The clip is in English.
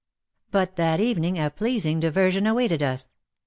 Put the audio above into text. But that evening a pleasing diversion awaited us.